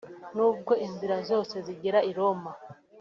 n’ubwo inzira zose zigera i Roma